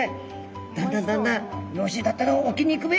だんだんだんだん「よしだったら沖に行くべ！」